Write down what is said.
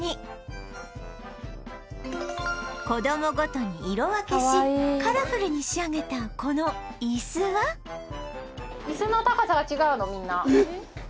子供ごとに色分けしカラフルに仕上げたこの椅子は椅子の高さが違うのみんな。